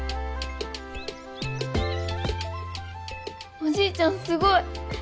おじいちゃんすごい。